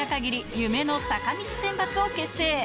夢の坂道選抜を結成。